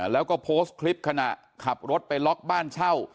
แล้วก็โพสต์คลิปขณะขับรถไปล็อกบ้านเช่า